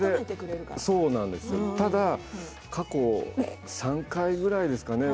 ただ過去３回ぐらいですかね？